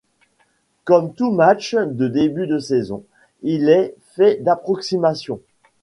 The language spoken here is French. Comme tout match de début de saison, il est fait d’approximation.